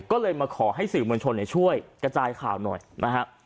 ก็เลยมาขอให้สื่อมวลชนช่วยกระจายข่าวหน่อยนะฮะ